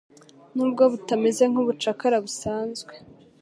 nubwo butameze nk'ubucakara busanzwe.